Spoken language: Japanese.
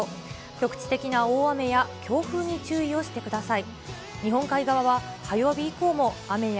局地的な大雨や強風に注意をしてください。